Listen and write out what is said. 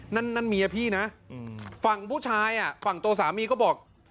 นั่นเมียพี่นะฝั่งผู้ชายฝั่งตัวสามีก็บอก